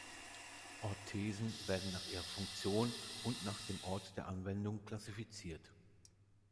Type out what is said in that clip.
Orthesen werden nach ihrer Funktion und nach dem Ort der Anwendung klassifiziert.